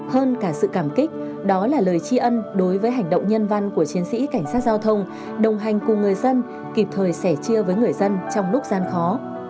hơn cả sự cảm kích đó là lời tri ân đối với hành động nhân văn của chiến sĩ cảnh sát giao thông đồng hành cùng người dân kịp thời sẻ chia với người dân trong lúc gian khó